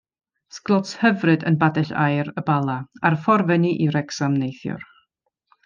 Sglods hyfryd yn Badell Aur, Y Bala, ar y ffordd fyny i Wrecsam neithiwr.